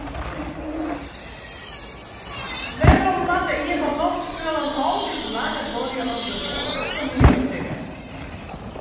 Wêrom moatte iepenloftspullen altyd langer duorje as gewoane toanielstikken?